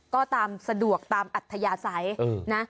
ก็ตามสะดวกตามอัธยาศัยนะ